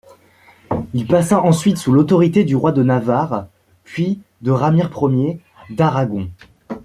Il passa ensuite sous l'autorité du roi de Navarre, puis de Ramire Ier d'Aragon.